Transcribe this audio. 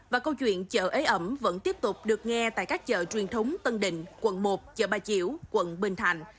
và câu chuyện chợ ế ẩm vẫn tiếp tục được nghe tại các chợ truyền thống tân định quận một chợ ba chiểu quận bình thạnh